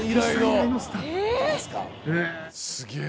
すげえ。